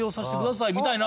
みたいな。